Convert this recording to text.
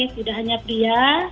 tidak hanya pria